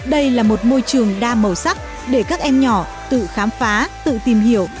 đây là một môi trường đa màu sắc để các em nhỏ tự khám phá tự tìm hiểu